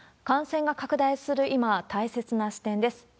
感染が拡大する今、大切な視点です。